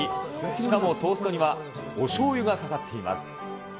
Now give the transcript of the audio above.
しかもトーストには、おしょうゆがかかっています。